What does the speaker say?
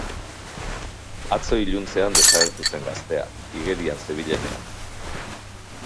Atzo iluntzean desagertu zen gaztea, igerian zebilenean.